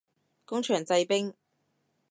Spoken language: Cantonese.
工場製冰